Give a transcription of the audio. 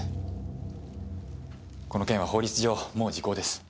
この件は法律上もう時効です。